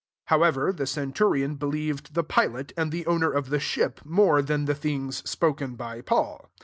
11 However, the centurion believed the pilot, and the ov/ner of the ship, more than the things spoken by Paul.